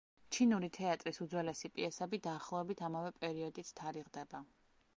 ჩინური თეატრის უძველესი პიესები დაახლოებით ამავე პერიოდით თარიღდება.